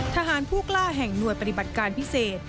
ทหารผู้กล้าแห่งหน่วยปฏิบัติการพิเศษ